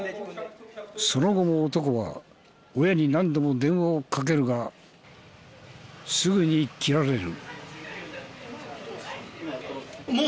その後も男は親に何度も電話をかけるがすぐに切られる。